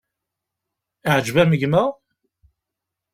Iεǧeb-am gma?